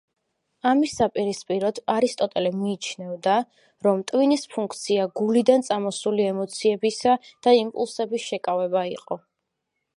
ამის საპირისპიროდ, არისტოტელე მიიჩნევდა, რომ ტვინის ფუნქცია გულიდან წამოსული ემოციებისა და იმპულსების შეკავება იყო.